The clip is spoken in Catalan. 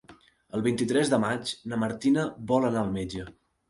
El vint-i-tres de maig na Martina vol anar al metge.